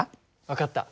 分かった。